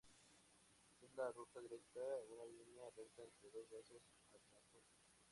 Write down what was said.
Es la ruta directa -una línea recta- entre dos bases adyacentes.